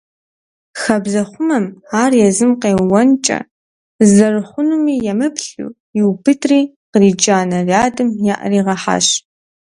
Хабзэхъумэм, ар езым къеуэнкӀэ зэрыхъунуми емыплъу, иубыдри, къриджа нарядым яӀэригъэхьащ.